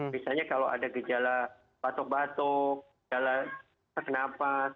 misalnya kalau ada gejala batuk batuk gejala terkena napas